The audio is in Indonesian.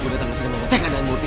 gue datang ke sini cek keadaan murti